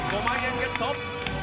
５万円ゲット。